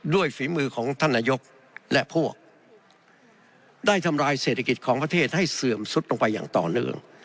ฝีมือของท่านนายกและพวกได้ทำลายเศรษฐกิจของประเทศให้เสื่อมสุดลงไปอย่างต่อเนื่อง